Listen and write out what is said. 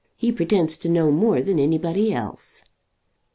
He pretends to know more than anybody else."